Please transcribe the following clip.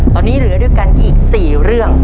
ตอนนี้เหลือด้วยกันอีก๔เรื่อง